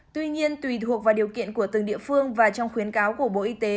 tuy nhiên tùy thuộc vào điều kiện của từng địa phương và trong khuyến cáo của bộ y tế